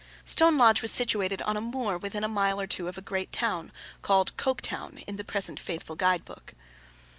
Stone Lodge was situated on a moor within a mile or two of a great town—called Coketown in the present faithful guide book.